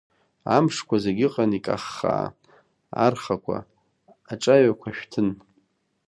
Амшқәа зегь ыҟан икаххаа, архақәа, аҿаҩақәа шәҭын.